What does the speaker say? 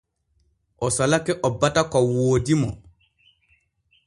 O salake o bata ko woodi mo.